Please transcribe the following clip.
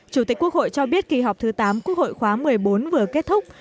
chủ tịch quốc hội cho biết kỳ họp thứ tám quốc hội khóa một mươi bốn vừa kết thúc